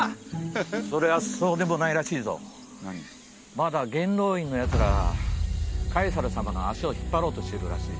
まだ元老院のやつらがカエサル様の足を引っ張ろうとしてるらしい。